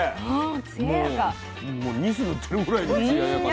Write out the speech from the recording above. もうニス塗ってるぐらいの艶やかさ。